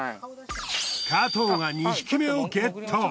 加藤が２匹目をゲット。